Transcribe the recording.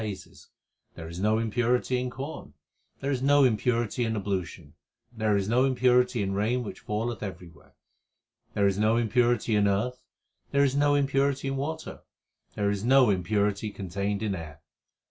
B b 2 372 THE SIKH RELIGION There is no impurity in corn, there is no impurity in ablution ; 1 There is no impurity in rain which falleth everywhere ; There is no impurity in earth, there is no impurity in water ; There is no impurity contained in air.